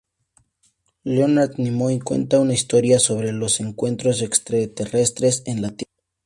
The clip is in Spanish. Leonard Nimoy cuenta una historia sobre los encuentros extraterrestres en la Tierra.